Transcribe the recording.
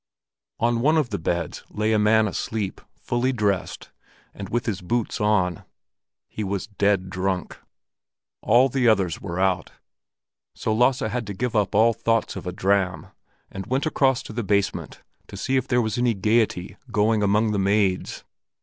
On one of the beds lay a man asleep, fully dressed, and with his boots on. He was dead drunk. All the others were out, so Lasse had to give up all thoughts of a dram, and went across to the basement to see if there was any gaiety going among the maids.